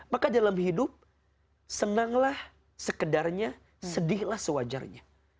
maka dalam hidup senanglah sekedarnya sedihlah sewajarnya